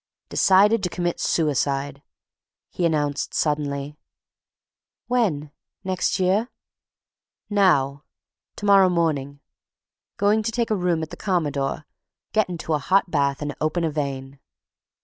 "Decided to commit suicide," he announced suddenly. "When? Next year?" "Now. To morrow morning. Going to take a room at the Commodore, get into a hot bath and open a vein."